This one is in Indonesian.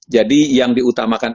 jadi yang diutamakan